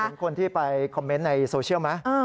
เห็นคนที่ไปคอมเมนต์ในโซเชียลไหม